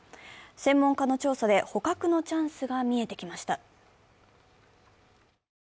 専門家の調査で、捕獲のチャンスが見えてきました。